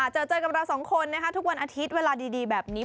เจอเจอกับเราสองคนนะคะทุกวันอาทิตย์เวลาดีแบบนี้